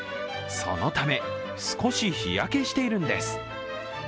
そのため、少し日焼けしているんです。